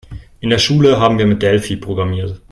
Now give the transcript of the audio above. In der Schule haben wir mit Delphi programmiert.